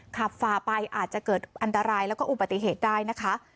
ฝ่าไปอาจจะเกิดอันตรายแล้วก็อุบัติเหตุได้นะคะ